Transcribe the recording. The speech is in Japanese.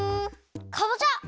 かぼちゃ！